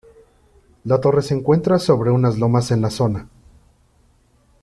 La torre se encuentra sobre unas lomas en la zona.